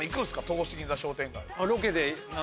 戸越銀座商店街。